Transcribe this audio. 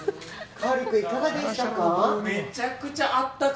カウル君いかがでしたか？